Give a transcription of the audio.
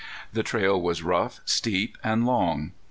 The trail was rough, steep, and long.